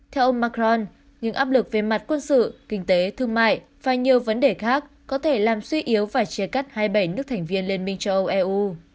theo ông macron những áp lực về mặt quân sự kinh tế thương mại và nhiều vấn đề khác có thể làm suy yếu và chia cắt hai mươi bảy nước thành viên liên minh châu âu eu